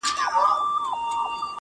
والاشان او عالیشان دي مقامونه،